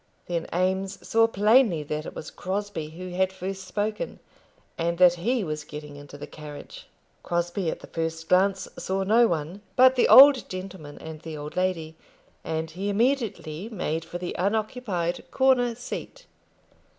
Then Eames saw plainly that it was Crosbie who had first spoken, and that he was getting into the carriage. Crosbie at the first glance saw no one but the old gentleman and the old lady, and he immediately made for the unoccupied corner seat.